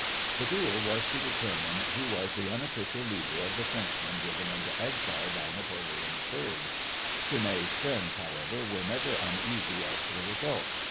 The duel was to determine who was the unofficial leader of the Frenchmen driven into exile by Napoleon III. Cournet's friends, however, were never uneasy as to the result.